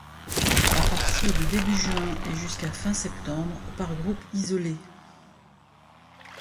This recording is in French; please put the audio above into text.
À partir de début juin et jusqu'à fin septembre, par groupes isolés.